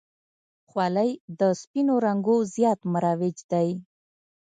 خولۍ د سپینو رنګو زیات مروج دی.